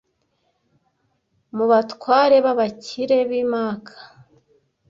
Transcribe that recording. mu batware b’abakire b’i Maka